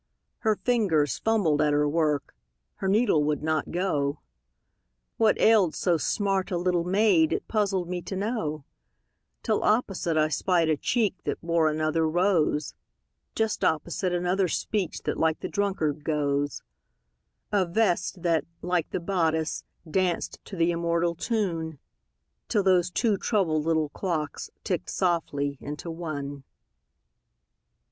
Her fingers fumbled at her work, Her needle would not go; What ailed so smart a little maid It puzzled me to know, Till opposite I spied a cheek That bore another rose; Just opposite, another speech That like the drunkard goes; A vest that, like the bodice, danced To the immortal tune, Till those two troubled little clocks Ticked softly into one.